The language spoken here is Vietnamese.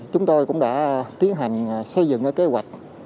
chúng tôi cũng đã tiến hành xây dựng kế hoạch